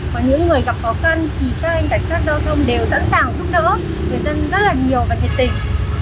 có những người gặp khó khăn thì các anh cảnh sát giao thông đều sẵn sàng giúp đỡ người dân rất là nhiều và nhiệt tình